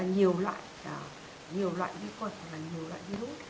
nhiều loại vi khuẩn hoặc là nhiều loại virus